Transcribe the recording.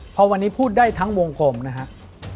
พอวันนี้พูดได้ทั้งวงกลมนะครับ